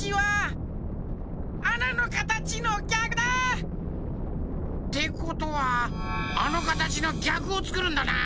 あなのかたちのぎゃくだ！ってことはあのかたちのぎゃくをつくるんだな。